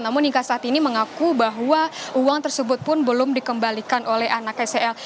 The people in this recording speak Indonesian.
namun hingga saat ini mengaku bahwa uang tersebut pun belum dikembalikan oleh anak scl